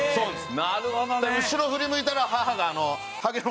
なるほどね。